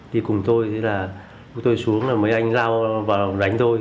đi cùng tôi tôi xuống là mấy anh dao vào đánh tôi